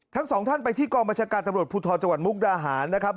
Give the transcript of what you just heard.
ทั้งสองท่านไปที่กองบัญชาการตำรวจภูทรจังหวัดมุกดาหารนะครับ